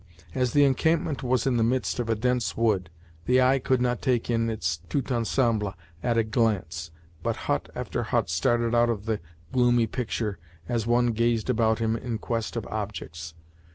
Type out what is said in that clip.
As the encampment was in the midst of a dense wood, the eye could not take in its tout ensemble at a glance, but hut after hut started out of the gloomy picture, as one gazed about him in quest of objects.